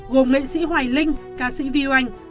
gồm nghệ sĩ hoài linh ca sĩ viu anh